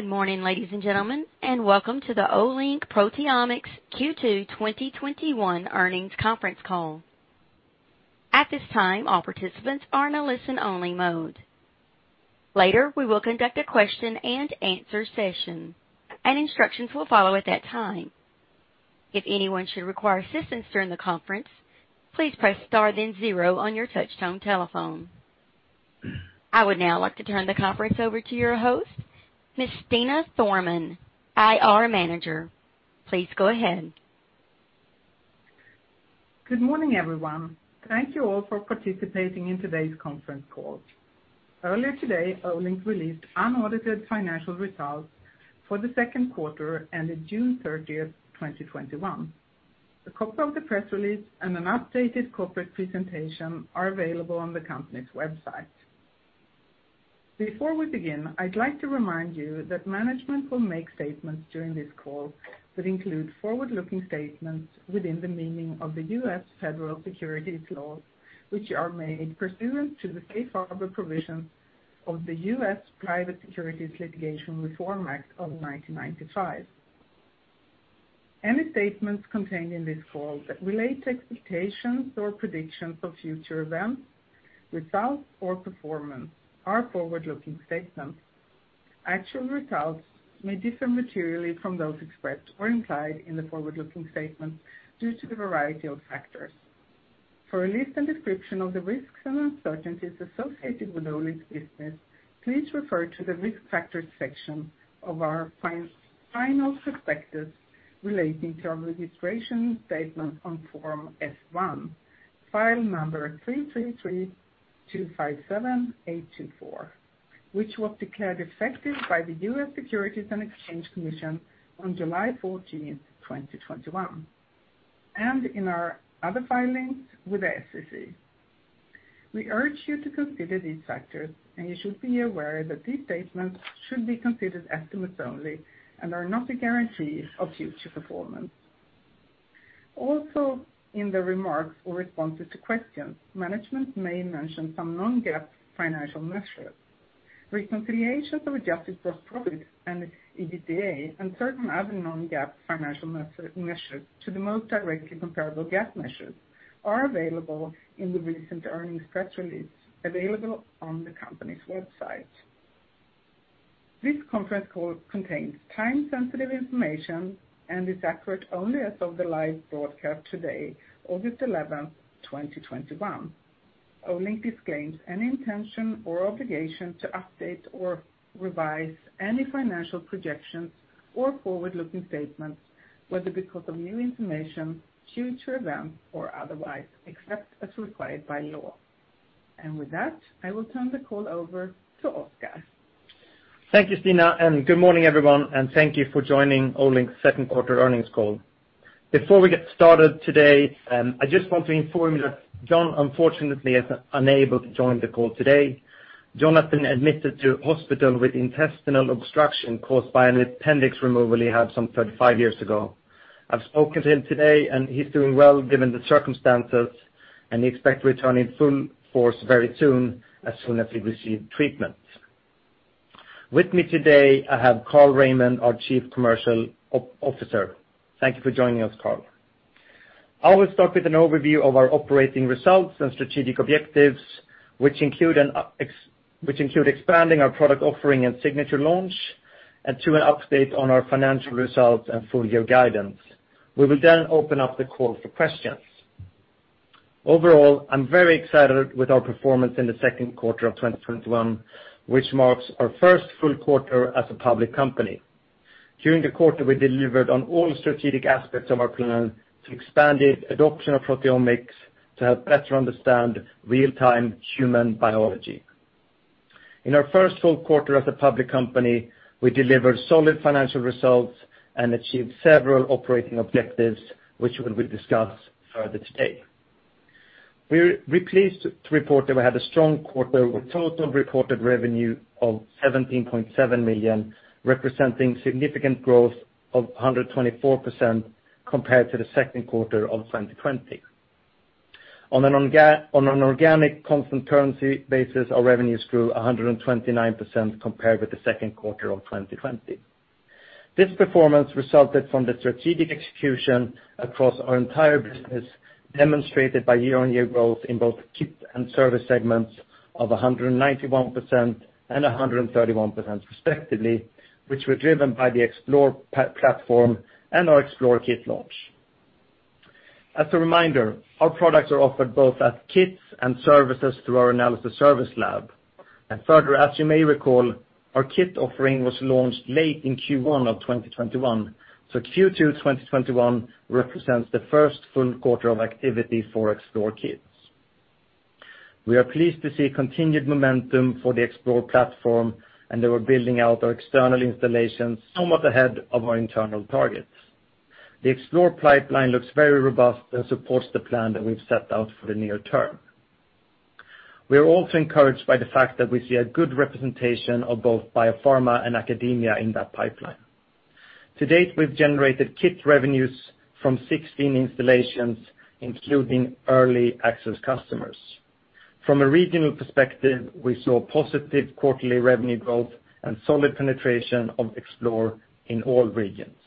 Good morning, ladies and gentlemen, and welcome to the Olink Proteomics Q2 2021 Earnings Conference Call. At this time, all participants are in a listen-only mode. Later, we will conduct a question-and-answer session, and instructions will follow at that time. If anyone should require assistance during the conference, please press star, then zero on your touch-tone telephone. I would now like to turn the conference over to your host, Ms. Stina Thorman, IR Manager. Please go ahead. Good morning, everyone. Thank you all for participating in today's conference call. Earlier today, Olink released unaudited financial results for the second quarter ended June 30th, 2021. A copy of the press release and an updated corporate presentation are available on the company's website. Before we begin, I'd like to remind you that management will make statements during this call that include forward-looking statements within the meaning of the U.S. federal securities laws, which are made pursuant to the safe harbor provisions of the U.S. Private Securities Litigation Reform Act of 1995. Any statements contained in this call that relate to expectations or predictions of future events, results, or performance are forward-looking statements. Actual results may differ materially from those expressed or implied in the forward-looking statement due to a variety of factors. For a list and description of the risks and uncertainties associated with Olink business, please refer to the Risk Factors section of our final prospectus relating to our registration statement on Form F-1, file number 333257824, which was declared effective by the US Securities and Exchange Commission on July 14th, 2021, and in our other filings with the SEC. We urge you to consider these factors, and you should be aware that these statements should be considered estimates only and are not a guarantee of future performance. Also, in the remarks or responses to questions, management may mention some non-GAAP financial measures. Reconciliations of adjusted gross profits and EBITDA and certain other non-GAAP financial measures to the most directly comparable GAAP measures are available in the recent earnings press release available on the company's website. This conference call contains time-sensitive information and is accurate only as of the live broadcast today, August 11th, 2021. Olink disclaims any intention or obligation to update or revise any financial projections or forward-looking statements, whether because of new information, future events, or otherwise, except as required by law. With that, I will turn the call over to Oskar. Thank you, Stina, good morning, everyone, thank you for joining Olink's second quarter earnings call. Before we get started today, I just want to inform you that Jon, unfortunately, is unable to join the call today. Jon has been admitted to hospital with intestinal obstruction caused by an appendix removal he had some 35 years ago. I've spoken to him today, he's doing well given the circumstances, he expects to return in full force very soon, as soon as he received treatment. With me today, I have Carl Raimond, our Chief Commercial Officer. Thank you for joining us, Carl. I will start with an overview of our operating results and strategic objectives, which include expanding our product offering and Signature launch, to an update on our financial results and full-year guidance. We will open up the call for questions. Overall, I am very excited with our performance in the second quarter of 2021, which marks our first full quarter as a public company. During the quarter, we delivered on all strategic aspects of our plan to expand adoption of proteomics to help better understand real-time human biology. In our first full quarter as a public company, we delivered solid financial results and achieved several operating objectives, which will be discussed further today. We're pleased to report that we had a strong quarter with total reported revenue of $17.7 million, representing significant growth of 124% compared to the second quarter of 2020. On an organic constant currency basis, our revenues grew 129% compared with the second quarter of 2020. This performance resulted from the strategic execution across our entire business, demonstrated by year-on-year growth in both kit and service segments of 191% and 131%, respectively, which were driven by the Explore platform and our Explore Kit launch. Further, as you may recall, our kit offering was launched late in Q1 of 2021, so Q2 2021 represents the first full quarter of activity for Explore Kits. We are pleased to see continued momentum for the Explore platform, and that we're building out our external installations somewhat ahead of our internal targets. The Explore pipeline looks very robust and supports the plan that we've set out for the near term. We are also encouraged by the fact that we see a good representation of both biopharma and academia in that pipeline. To date, we've generated kit revenues from 16 installations, including early access customers. From a regional perspective, we saw positive quarterly revenue growth and solid penetration of Explore in all regions.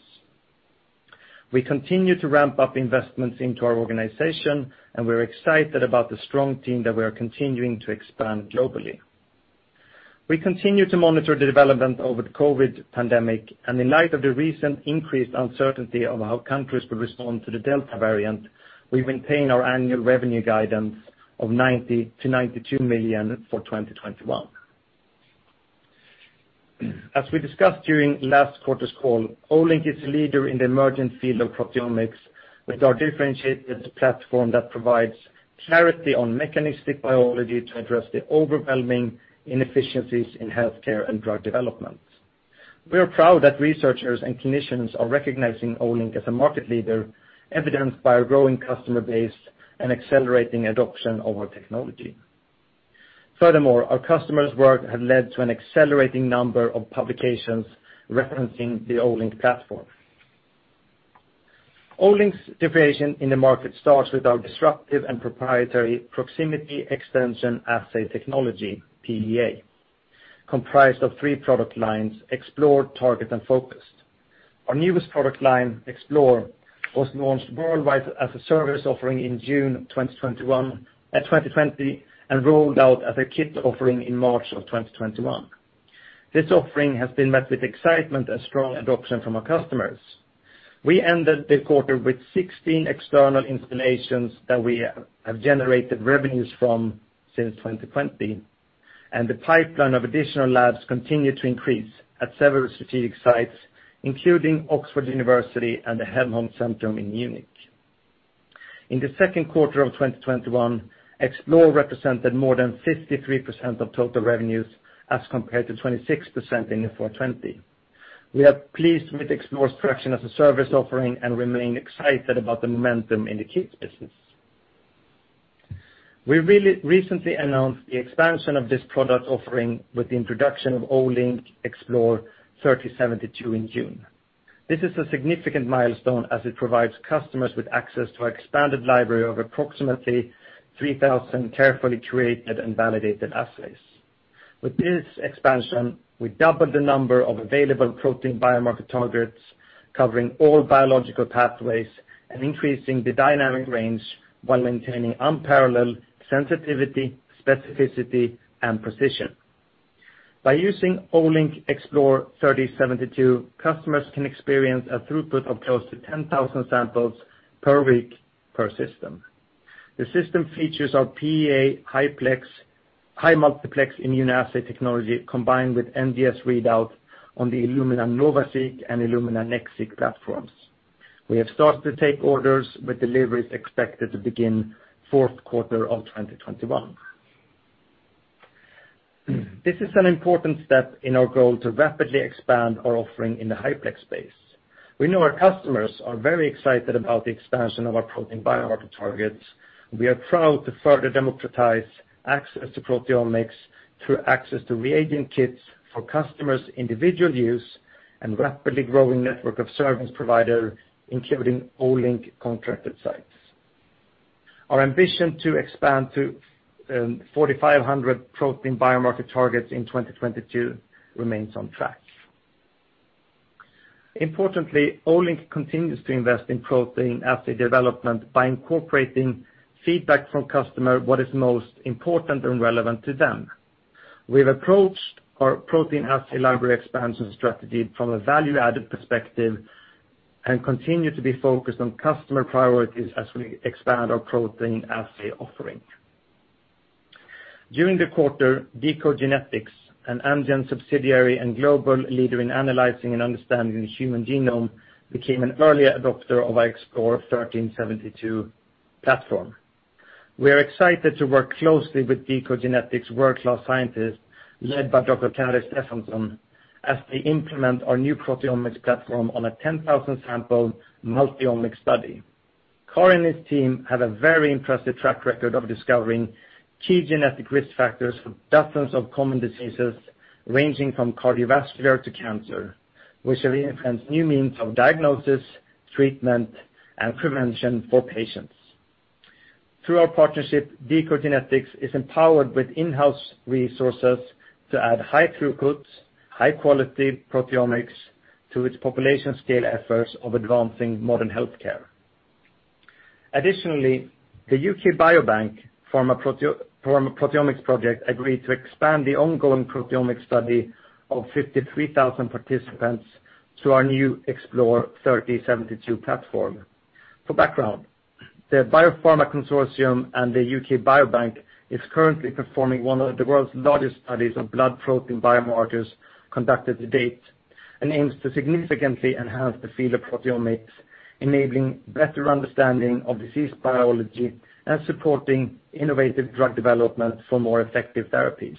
We continue to ramp up investments into our organization, and we're excited about the strong team that we are continuing to expand globally. We continue to monitor the development over the COVID pandemic, and in light of the recent increased uncertainty of how countries will respond to the Delta variant, we maintain our annual revenue guidance of 90 million-92 million for 2021. As we discussed during last quarter's call, Olink is a leader in the emerging field of proteomics with our differentiated platform that provides clarity on mechanistic biology to address the overwhelming inefficiencies in healthcare and drug development. We are proud that researchers and clinicians are recognizing Olink as a market leader, evidenced by our growing customer base and accelerating adoption of our technology. Furthermore, our customers' work has led to an accelerating number of publications referencing the Olink platform. Olink's differentiation in the market starts with our disruptive and proprietary Proximity Extension Assay technology, PEA, comprised of three product lines, Explore, Target, and Focus. Our newest product line, Explore, was launched worldwide as a service offering in June 2020, and rolled out as a kit offering in March of 2021. This offering has been met with excitement and strong adoption from our customers. We ended the quarter with 16 external installations that we have generated revenues from since 2020. The pipeline of additional labs continues to increase at several strategic sites, including Oxford University and the Helmholtz Zentrum München. In the second quarter of 2021, Explore represented more than 53% of total revenues as compared to 26% in 2020. We are pleased with Explore's traction as a service offering and remain excited about the momentum in the kits business. We recently announced the expansion of this product offering with the introduction of Olink Explore 3072 in June. This is a significant milestone as it provides customers with access to our expanded library of approximately 3,000 carefully created and validated assays. With this expansion, we double the number of available protein biomarker targets covering all biological pathways and increasing the dynamic range while maintaining unparalleled sensitivity, specificity, and precision. By using Olink Explore 3072, customers can experience a throughput of close to 10,000 samples per week per system. The system features our PEA high multiplex immunoassay technology, combined with NGS readout on the Illumina NovaSeq and Illumina NextSeq platforms. We have started to take orders with deliveries expected to begin fourth quarter of 2021. This is an important step in our goal to rapidly expand our offering in the high-plex space. We know our customers are very excited about the expansion of our protein biomarker targets. We are proud to further democratize access to proteomics through access to reagent kits for customers' individual use and rapidly growing network of service provider, including Olink contracted sites. Our ambition to expand to 4,500 protein biomarker targets in 2022 remains on track. Importantly, Olink continues to invest in protein assay development by incorporating feedback from customers about what is most important and relevant to them. We've approached our protein assay library expansion strategy from a value-added perspective and continue to be focused on customer priorities as we expand our protein assay offering. During the quarter, deCODE genetics, an Amgen subsidiary and global leader in analyzing and understanding the human genome, became an early adopter of our Explore 3072 platform. We are excited to work closely with deCODE genetics' world-class scientists, led by Dr. Kári Stefánsson, as they implement our new proteomics platform on a 10,000 sample multi-omics study. Kári and his team have a very impressive track record of discovering key genetic risk factors for dozens of common diseases, ranging from cardiovascular to cancer, which have enhanced new means of diagnosis, treatment, and prevention for patients. Through our partnership, deCODE genetics is empowered with in-house resources to add high-throughput, high-quality proteomics to its population-scale efforts of advancing modern healthcare. Additionally, the UK Biobank Pharma Proteomics Project agreed to expand the ongoing proteomics study of 53,000 participants to our new Explore 3072 platform. For background, the Biopharma Consortium and the UK Biobank are currently performing one of the world's largest studies of blood protein biomarkers conducted to date and aim to significantly enhance the field of proteomics, enabling better understanding of disease biology and supporting innovative drug development for more effective therapies.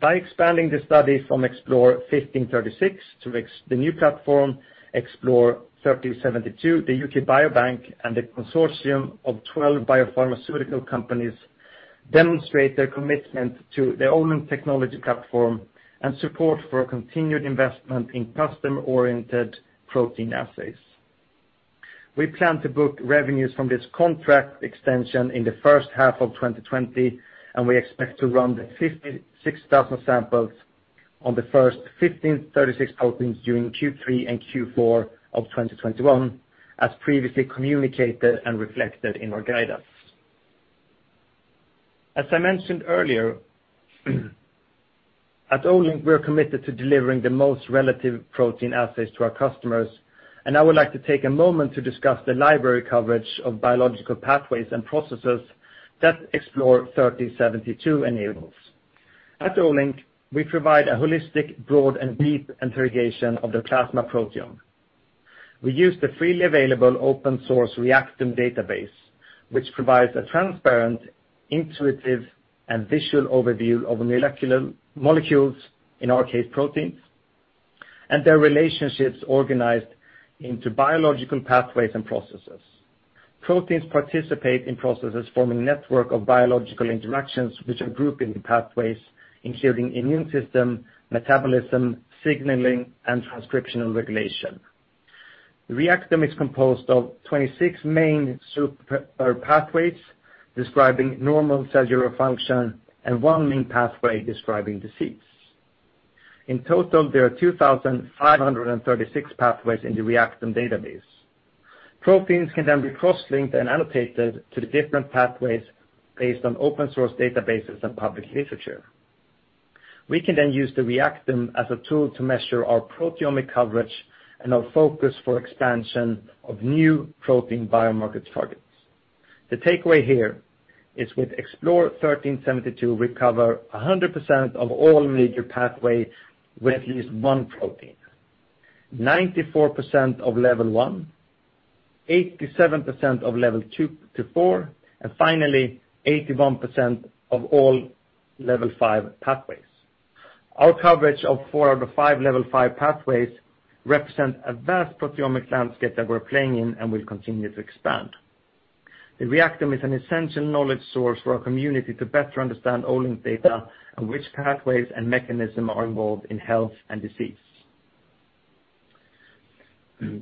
By expanding the study from Explore 1536 to the new platform, Explore 3072, the UK Biobank and the consortium of 12 biopharmaceutical companies demonstrate their commitment to the Olink technology platform and support for continued investment in customer-oriented protein assays. We plan to book revenues from this contract extension in the first half of 2020, and we expect to run the 56,000 samples on the first 1,536 proteins during Q3 and Q4 of 2021, as previously communicated and reflected in our guidance. As I mentioned earlier, at Olink, we're committed to delivering the most relevant protein assays to our customers, and I would like to take a moment to discuss the library coverage of biological pathways and processes that Explore 3072 enables. At Olink, we provide a holistic, broad, and deep interrogation of the plasma proteome. We use the freely available open-source Reactome database, which provides a transparent, intuitive, and visual overview of molecular molecules, in our case, proteins, and their relationships organized into biological pathways and processes. Proteins participate in processes forming a network of biological interactions that are grouped into pathways, including the immune system, metabolism, signaling, and transcriptional regulation. Reactome is composed of 26 main super pathways describing normal cellular function and one main pathway describing disease. In total, there are 2,536 pathways in the Reactome database. Proteins can be cross-linked and annotated to the different pathways based on open-source databases and public literature. We can use the Reactome as a tool to measure our proteomic coverage and our focus for the expansion of new protein biomarker targets. The takeaway here is with Explore 1536, we cover 100% of all major pathway with at least one protein, 94% of level one, 87% of level two to four, and finally, 81% of all level five pathways. Our coverage of four out of five level five pathways represent a vast proteomic landscape that we're playing in and will continue to expand. The Reactome is an essential knowledge source for our community to better understand Olink data and which pathways and mechanism are involved in health and disease.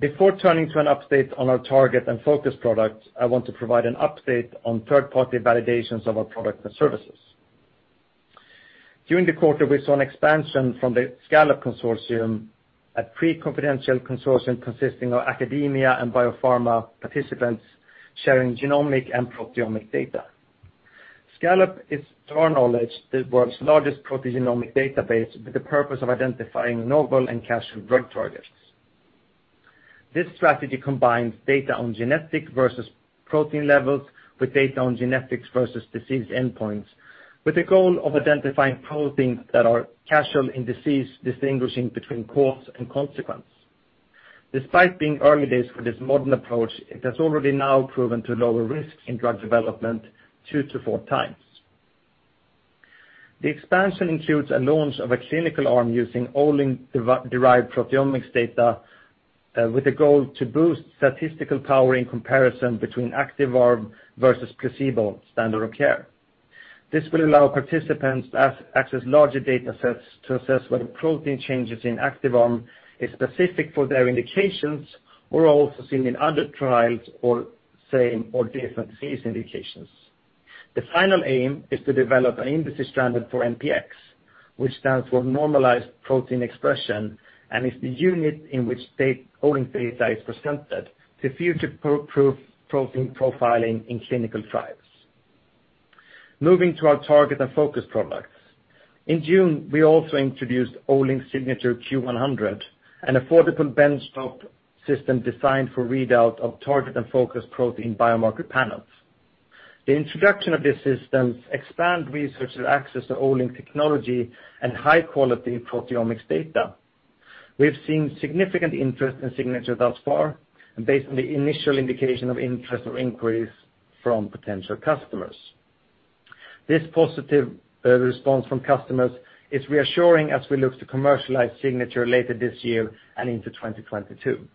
Before turning to an update on our Target and Focus products, I want to provide an update on third-party validations of our product and services. During the quarter, we saw an expansion from the SCALLOP Consortium, a pre-competitive consortium consisting of academia and biopharma participants sharing genomic and proteomic data. SCALLOP is, to our knowledge, the world's largest proteogenomic database with the purpose of identifying novel and causal drug targets. This strategy combines data on genetic versus protein levels with data on genetics versus disease endpoints, with the goal of identifying proteins that are causal in disease, distinguishing between cause and consequence. Despite being early days for this modern approach, it has already now proven to lower risks in drug development two to four times. The expansion includes a launch of a clinical arm using Olink-derived proteomic data, with a goal to boost statistical power in comparison between active arm versus placebo standard of care. This will allow participants to access larger data sets to assess whether protein changes in active arm are specific for their indications or also seen in other trials or same or different disease indications. The final aim is to develop an industry standard for NPX, which stands for normalized protein expression and is the unit in which Olink data is presented to future-proof protein profiling in clinical trials. Moving to our Target and Focus products. In June, we also introduced Olink Signature Q100, an affordable benchtop system designed for readout of Target and Focus protein biomarker panels. The introduction of this system expands researchers' access to Olink technology and high-quality proteomics data. We've seen significant interest in Signature thus far, based on the initial indication of interest or inquiries from potential customers. This positive response from customers is reassuring as we look to commercialize Signature later this year and into 2022.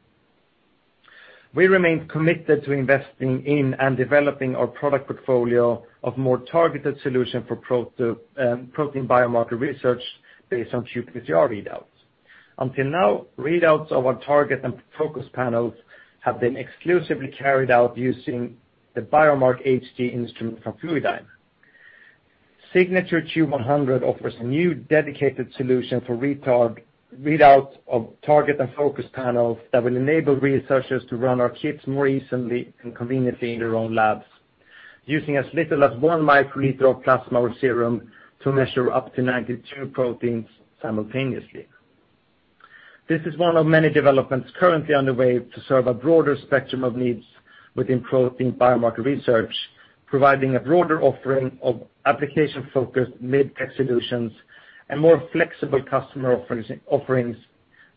We remain committed to investing in and developing our product portfolio of more targeted solutions for protein biomarker research based on qPCR readouts. Until now, readouts of our Target and Focus panels have been exclusively carried out using the BioMark HD instrument from Fluidigm. Signature Q100 offers a new dedicated solution for readouts of Target and Focus panels that will enable researchers to run our kits more easily and conveniently in their own labs, using as little as one microliter of plasma or serum to measure up to 92 proteins simultaneously. This is one of many developments currently underway to serve a broader spectrum of needs within protein biomarker research, providing a broader offering of application-focused mid-tech solutions and more flexible customer offerings,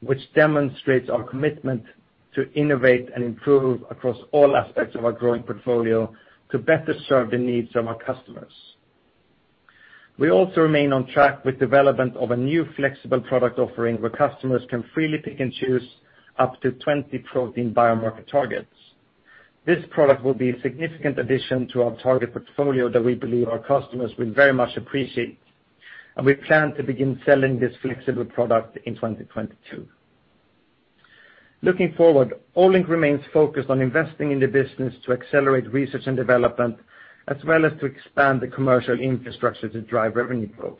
which demonstrates our commitment to innovate and improve across all aspects of our growing portfolio to better serve the needs of our customers. We also remain on track with development of a new flexible product offering where customers can freely pick and choose up to 20 protein biomarker targets. This product will be a significant addition to our Target portfolio that we believe our customers will very much appreciate. We plan to begin selling this flexible product in 2022. Looking forward, Olink remains focused on investing in the business to accelerate research and development, as well as to expand the commercial infrastructure to drive revenue growth.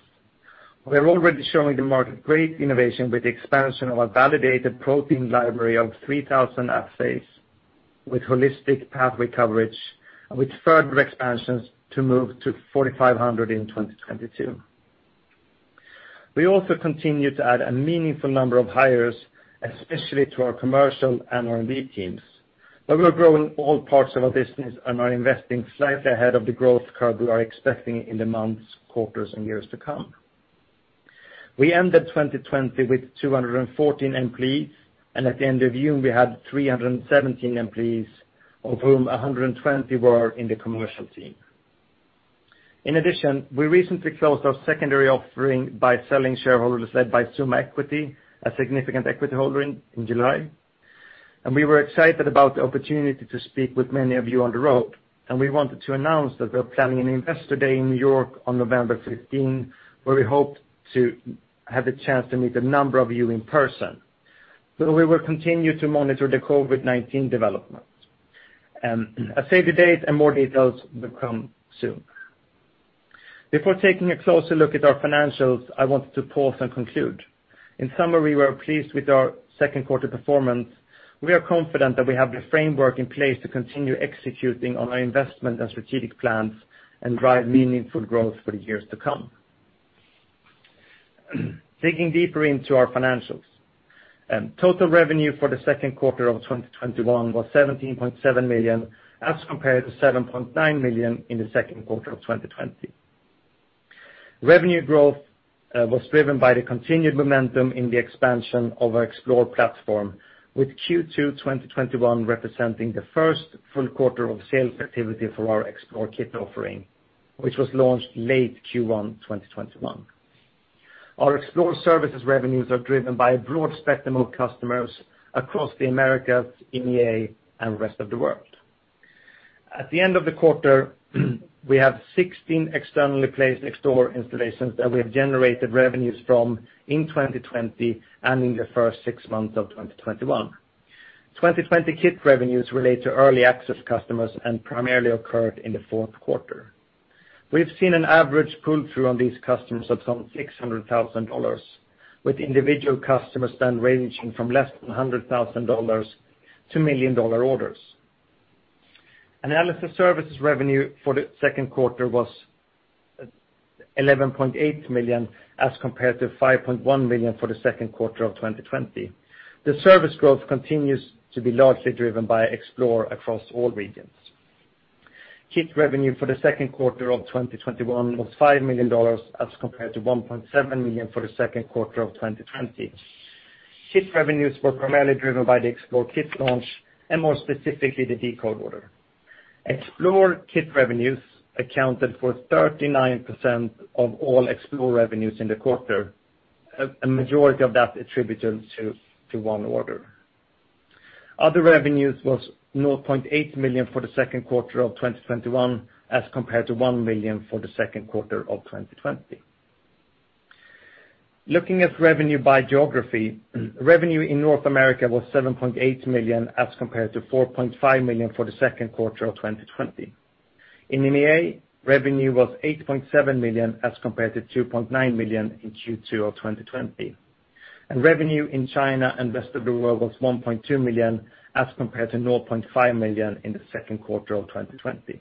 We are already showing the market great innovation with the expansion of our validated protein library of 3,000 assays, with holistic pathway coverage and with further expansions to move to 4,500 in 2022. We also continue to add a meaningful number of hires, especially to our commercial and R&D teams. We are growing all parts of our business and are investing slightly ahead of the growth curve we are expecting in the months, quarters, and years to come. We ended 2020 with 214 employees, and at the end of June, we had 317 employees, of whom 120 were in the commercial team. In addition, we recently closed our secondary offering by selling shareholders led by Summa Equity, a significant equity holder in July, and we were excited about the opportunity to speak with many of you on the road. We wanted to announce that we're planning an investor day in N.Y. on November 15, where we hope to have the chance to meet a number of you in person, but we will continue to monitor the COVID-19 developments. A save the date and more details will come soon. Before taking a closer look at our financials, I want to pause and conclude. In summary, we were pleased with our second quarter performance. We are confident that we have the framework in place to continue executing on our investment and strategic plans and drive meaningful growth for the years to come. Digging deeper into our financials. Total revenue for the second quarter of 2021 was $17.7 million, as compared to $7.9 million in the second quarter of 2020. Revenue growth was driven by the continued momentum in the expansion of our Explore platform, with Q2 2021 representing the first full quarter of sales activity for our Explore Kit offering, which was launched late Q1 2021. Our Explore services revenues are driven by a broad spectrum of customers across the Americas, EMEA, and rest of the world. At the end of the quarter, we have 16 externally placed Explore installations that we have generated revenues from in 2020 and in the first six months of 2021. 2020 kit revenues relate to early access customers and primarily occurred in the fourth quarter. We've seen an average pull-through on these customers of some $600,000, with individual customers then ranging from less than $100,000 to million-dollar orders. Analysis services revenue for the second quarter was $11.8 million, as compared to $5.1 million for the second quarter of 2020. The service growth continues to be largely driven by Explore across all regions. Kit revenue for the second quarter of 2021 was $5 million, as compared to $1.7 million for the second quarter of 2020. Kit revenues were primarily driven by the Explore Kit launch and, more specifically, the deCODE order. Explore Kit revenues accounted for 39% of all Explore revenues in the quarter, a majority of that attributed to one order. Other revenues were $0.8 million for the second quarter of 2021 as compared to $1 million for the second quarter of 2020. Looking at revenue by geography, revenue in North America was $7.8 million, as compared to $4.5 million for the second quarter of 2020. In EMEA, revenue was $8.7 million as compared to $2.9 million in Q2 of 2020. Revenue in China and the rest of the world was $1.2 million as compared to $0.5 million in the second quarter of 2020.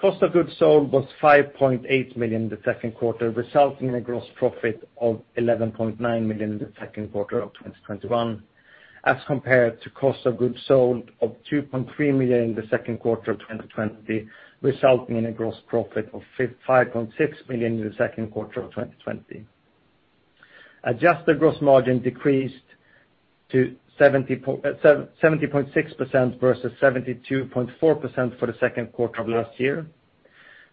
Cost of goods sold was $5.8 million in the second quarter, resulting in a gross profit of $11.9 million in the second quarter of 2021, as compared to a cost of goods sold of $2.3 million in the second quarter of 2020, resulting in a gross profit of $5.6 million in the second quarter of 2020. Adjusted gross margin decreased to 70.6% versus 72.4% for the second quarter of last year.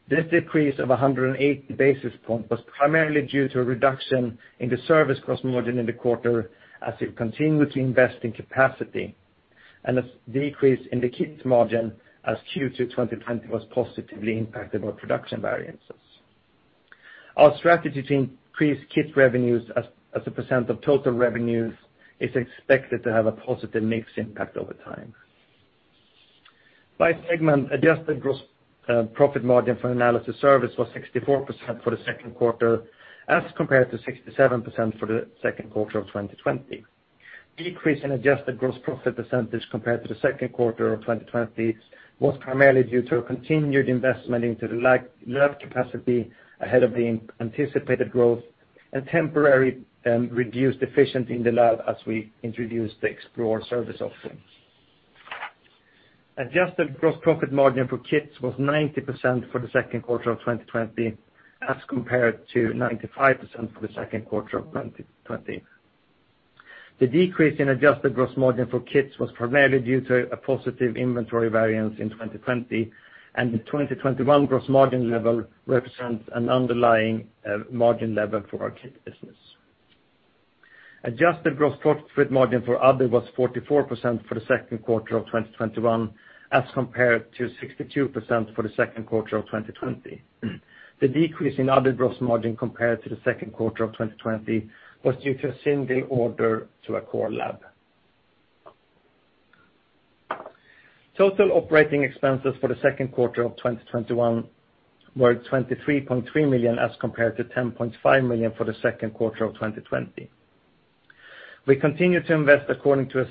This decrease of 180 basis points was primarily due to a reduction in the service gross margin in the quarter, as we continue to invest in capacity, and a decrease in the kit margin as Q2 2020 was positively impacted by production variances. Our strategy to increase kit revenues as a percent of total revenues is expected to have a positive mix impact over time. By segment, adjusted gross profit margin for analysis service was 64% for the second quarter as compared to 67% for the second quarter of 2020. Decrease in adjusted gross profit percentage compared to the second quarter of 2020 was primarily due to a continued investment into the lab capacity ahead of the anticipated growth and temporarily reduced efficiency in the lab as we introduced the Explore service offering. Adjusted gross profit margin for kits was 90% for the second quarter of 2021 as compared to 95% for the second quarter of 2020. The decrease in adjusted gross margin for kits was primarily due to a positive inventory variance in 2020, and the 2021 gross margin level represents an underlying margin level for our kit business. Adjusted gross profit margin for other was 44% for the second quarter of 2021, as compared to 62% for the second quarter of 2020. The decrease in other gross margin compared to the second quarter of 2020 was due to a single order to a core lab. Total operating expenses for the second quarter of 2021 were $23.3 million, as compared to $10.5 million for the second quarter of 2020. We continue to invest according to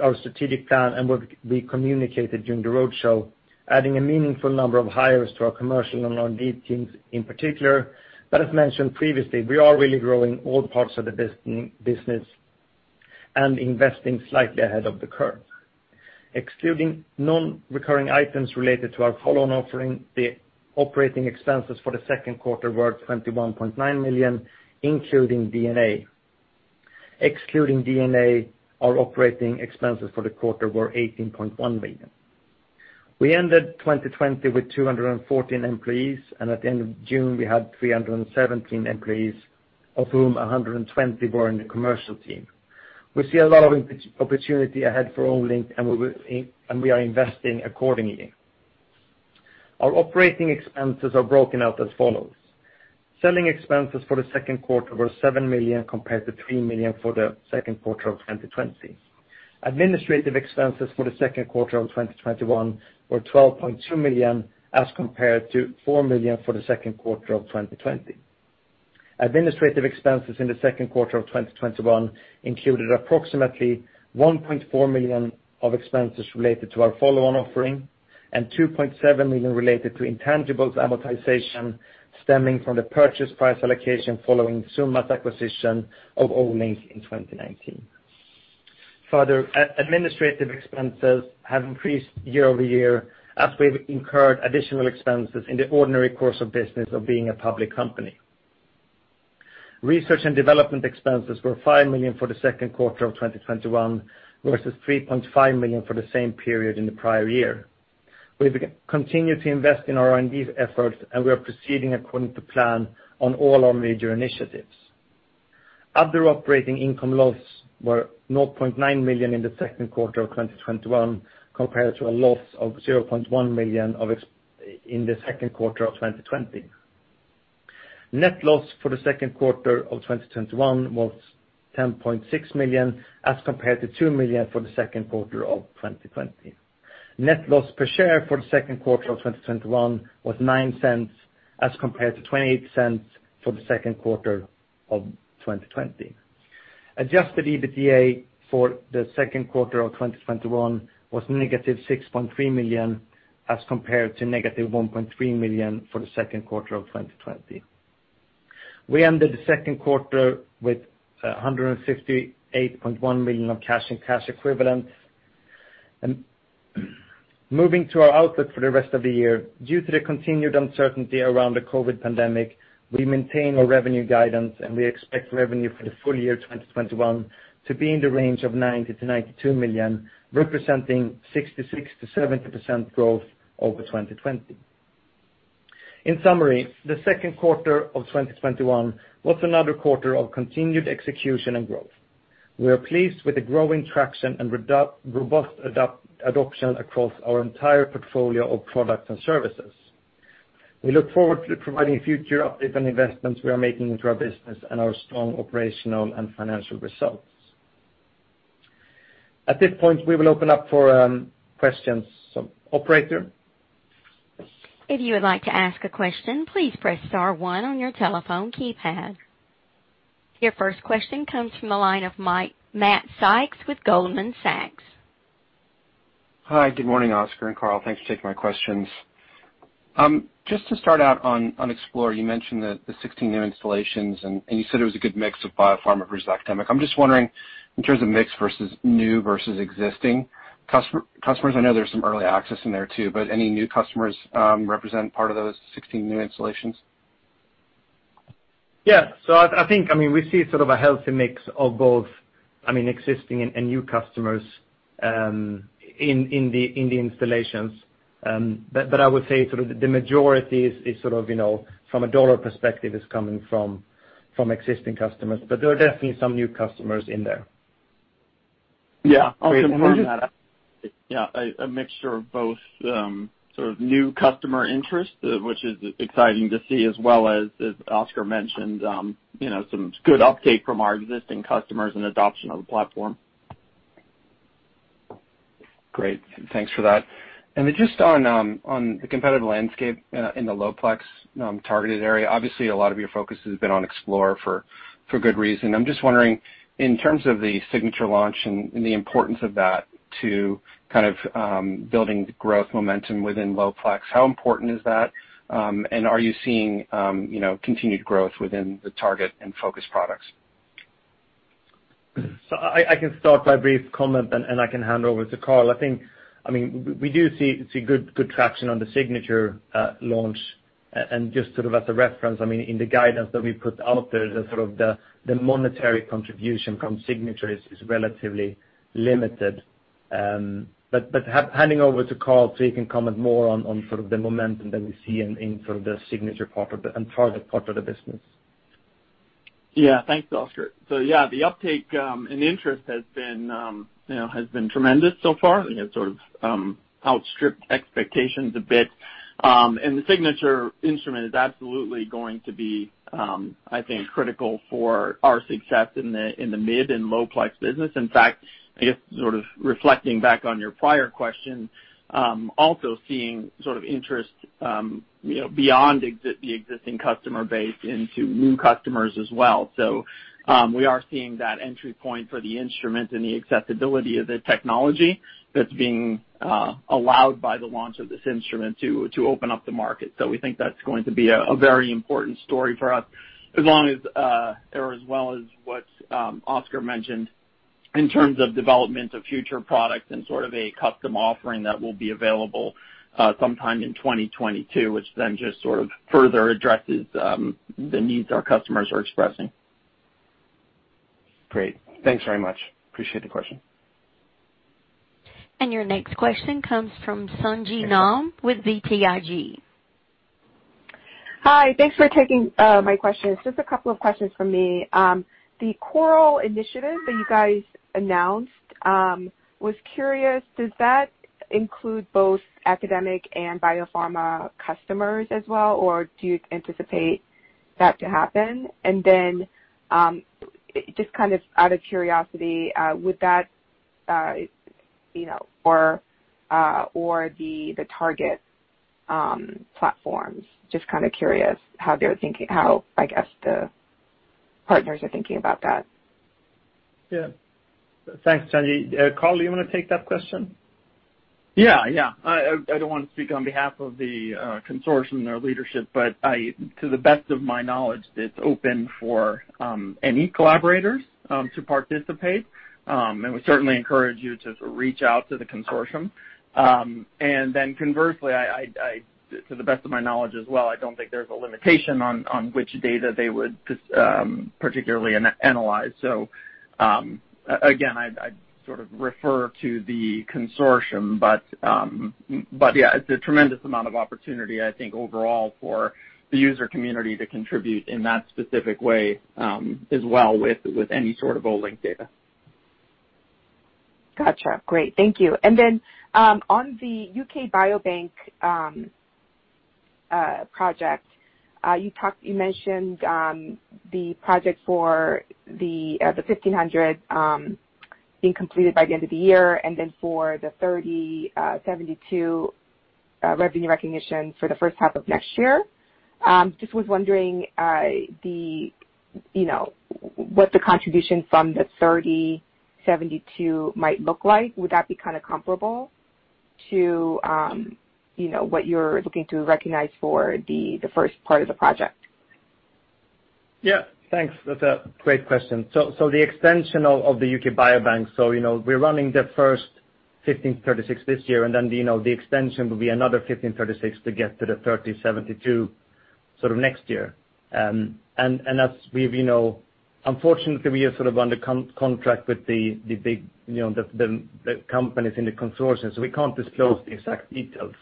our strategic plan and what we communicated during the roadshow, adding a meaningful number of hires to our commercial and R&D teams in particular. As mentioned previously, we are really growing all parts of the business and investing slightly ahead of the curve. Excluding non-recurring items related to our follow-on offering, the operating expenses for the second quarter were $21.9 million, including D&A. Excluding D&A, our operating expenses for the quarter were $18.1 million. We ended 2020 with 214 employees, and at the end of June, we had 317 employees, of whom 120 were in the commercial team. We see a lot of opportunity ahead for Olink, and we are investing accordingly. Our operating expenses are broken out as follows. Selling expenses for the second quarter were $7 million compared to $3 million for the second quarter of 2020. Administrative expenses for the second quarter of 2021 were 12.2 million as compared to 4 million for the second quarter of 2020. Administrative expenses in the second quarter of 2021 included approximately 1.4 million of expenses related to our follow-on offering and 2.7 million related to intangibles amortization stemming from the purchase price allocation following Summa's acquisition of Olink in 2019. Administrative expenses have increased year-over-year as we've incurred additional expenses in the ordinary course of business of being a public company. Research and development expenses were 5 million for the second quarter of 2021 versus 3.5 million for the same period in the prior year. We've continued to invest in our R&D efforts, and we are proceeding according to plan on all our major initiatives. Other operating income losses were $0.9 million in the second quarter of 2021, compared to a loss of $0.1 million in the second quarter of 2020. Net loss for the second quarter of 2021 was $10.6 million, as compared to $2 million for the second quarter of 2020. Net loss per share for the second quarter of 2021 was $0.09 as compared to $0.28 for the second quarter of 2020. Adjusted EBITDA for the second quarter of 2021 was negative $6.3 million, as compared to negative $1.3 million for the second quarter of 2020. We ended the second quarter with $158.1 million of cash and cash equivalents. Moving to our outlook for the rest of the year, due to the continued uncertainty around the COVID pandemic, we maintain our revenue guidance, and we expect revenue for the full year 2021 to be in the range of $90 million-$92 million, representing 66%-70% growth over 2020. In summary, the second quarter of 2021 was another quarter of continued execution and growth. We are pleased with the growing traction and robust adoption across our entire portfolio of products and services. We look forward to providing future updates on investments we are making into our business and our strong operational and financial results. At this point, we will open up for questions. Operator. If you would like to ask a question, please press star one on your telephone keypad. Your first question comes from the line of Matt Sykes with Goldman Sachs. Hi, good morning, Oskar and Carl. Thanks for taking my questions. To start out on Explore, you mentioned that the 16 new installations, and you said it was a good mix of biopharma versus academic. I'm just wondering, in terms of mix versus new versus existing customers, I know there's some early access in there too, but any new customers represent part of those 16 new installations? Yeah. I think we see sort of a healthy mix of both existing and new customers in the installations. I would say the majority, from a dollar perspective, is coming from existing customers. There are definitely some new customers in there. Yeah. Okay. A mixture of both sorts of new customer interest, which is exciting to see, as well as, as Oskar mentioned, some good uptake from our existing customers and adoption of the platform. Great, thanks for that. Just on the competitive landscape in the low-plex targeted area, obviously a lot of your focus has been on Explore for good reason. I'm just wondering, in terms of the Signature launch and the importance of that to kind of building growth momentum within low-plex, how important is that, and are you seeing continued growth within the Target and Focus products? I can start by a brief comment, and I can hand over to Carl. We do see good traction on the Signature launch. Just sort of as a reference, in the guidance that we put out there, the sort of the monetary contribution from Signature is relatively limited. Handing over to Carl so he can comment more on sort of the momentum that we see in sort of the Signature part and Target part of the business. Yeah. Thanks, Oskar. Yeah, the uptake and interest have been tremendous so far and have sort of outstripped expectations a bit. The Signature instrument is absolutely going to be, I think, critical for our success in the mid- and low-plex business. In fact, I guess sort of reflecting back on your prior question, also seeing sort of interest beyond the existing customer base into new customers as well. We are seeing that entry point for the instrument and the accessibility of the technology that's being allowed by the launch of this instrument to open up the market. We think that's going to be a very important story for us as well as what Oskar mentioned in terms of development of future products and sort of a custom offering that will be available sometime in 2022, which then just sort of further addresses the needs our customers are expressing. Great. Thanks very much. Appreciate the question. Your next question comes from Sung Ji Nam with BTIG. Hi. Thanks for taking my questions. Just a couple of questions from me. The CORAL initiative that you guys announced was curious; does that include both academic and biopharma customers as well, or do you anticipate that to happen? Then, just kind of out of curiosity, would that or the Target platforms, just kind of curious how I guess the partners are thinking about that. Yeah. Thanks, Sung. Carl, do you want to take that question? Yeah. I don't want to speak on behalf of the consortium or leadership, but to the best of my knowledge, it's open for any collaborators to participate. We certainly encourage you to reach out to the consortium. Conversely, to the best of my knowledge as well, I don't think there's a limitation on which data they would particularly analyze. Again, I'd sort of refer to the consortium, but yeah, it's a tremendous amount of opportunity, I think, overall for the user community to contribute in that specific way, as well as with any sort of Olink data. Got you. Great. Thank you. On the U.K. Biobank project you mentioned, the project for the 1,500 is being completed by the end of the year, then for the 3,072 revenue recognition for the first half of next year. Just was wondering what the contribution from the 3,072 might look like. Would that be kind of comparable to what you're looking to recognize for the first part of the project? Thanks. That's a great question. The extension of the UK Biobank is running the first 1,536 this year, and then the extension will be another 1,536 to get to the 3,072 sort of next year. Unfortunately, we are sort of under contract with the companies in the consortium, so we can't disclose the exact details.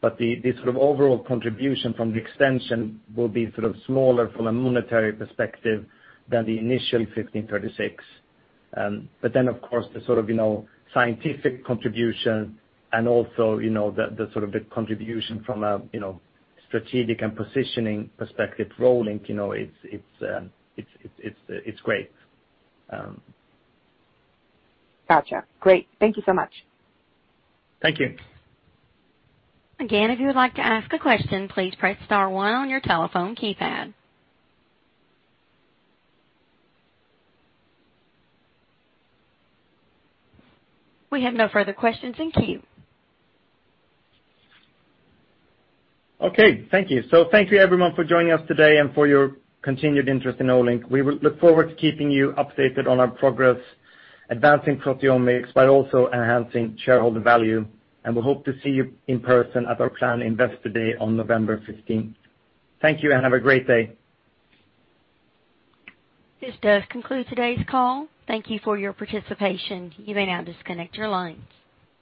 The sort of overall contribution from the extension will be sort of smaller from a monetary perspective than the initial 1,536. Of course, the sort of scientific contribution and also the sort of contribution from a strategic and positioning perspective, Olink, it's great. Got you. Great. Thank you so much. Thank you. Again, if you would like to ask a question, please press star one on your telephone keypad. We have no further questions. Thank you. Okay. Thank you. Thank you everyone for joining us today and for your continued interest in Olink. We will look forward to keeping you updated on our progress advancing proteomics by also enhancing shareholder value. We hope to see you in person at our planned Investor Day on November 15th. Thank you, and have a great day. This does conclude today's call. Thank you for your participation. You may now disconnect your lines.